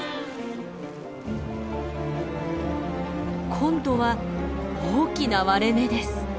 今度は大きな割れ目です。